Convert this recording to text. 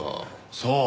そう。